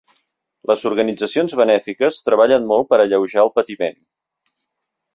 Les organitzacions benèfiques treballen molt per alleujar el patiment.